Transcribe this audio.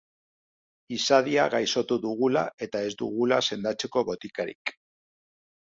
Izadia gaixotu dugula eta ez dugula sendatzeko botikarik.